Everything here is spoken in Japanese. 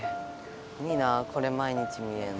いいなこれ毎日見れるの。